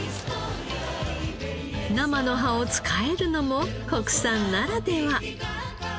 生の葉を使えるのも国産ならでは。